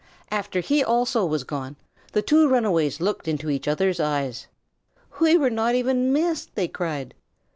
After he also was gone, the two runaways looked into each other's eyes. "We were not even missed!" they cried.